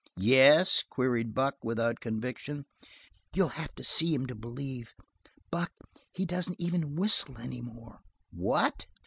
"Yes?" queried Buck, without conviction. "You'll have to see him to believe; Buck, he doesn't even whistle any more." "What?"